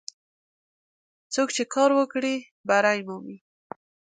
څوک چې کار وکړي، بری مومي.